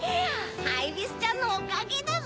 ハイビスちゃんのおかげだぜ！